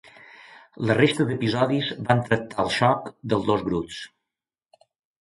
La resta d'episodis van tractar el xoc dels dos grups.